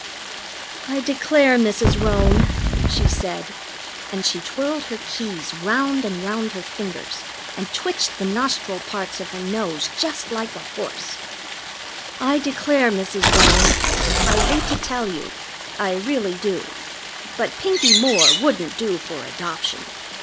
"I declare, Mrs. Roane," she said and she twirled her keys round and round her fingers, and twitched the nostril parts of her nose just like a horse "I declare, Mrs. Roane, I hate to tell you, I really do. But Pinkie Moore wouldn't do for adoption.